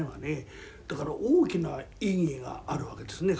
だから大きな意義があるわけですね。